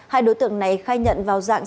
hai đối tượng này khai nhận vào dạng